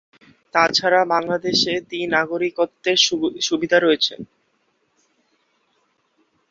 তাছাড়া বাংলাদেশে দ্বি-নাগরিকত্বের সুযোগ রয়েছে।